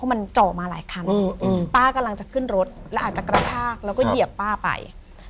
มันเจาะมาหลายคันป้ากำลังจะขึ้นรถแล้วอาจจะกระชากแล้วก็เหยียบป้าไป